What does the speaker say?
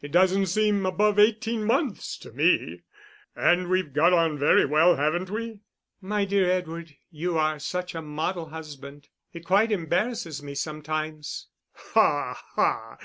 it doesn't seem above eighteen months to me. And we've got on very well, haven't we?" "My dear Edward, you are such a model husband. It quite embarrasses me sometimes." "Ha, ha!